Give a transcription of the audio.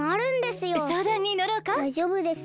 だいじょうぶです。